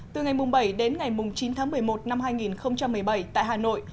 từ ngày bảy đến ngày chín tháng một mươi một năm hai nghìn một mươi bảy tại hà nội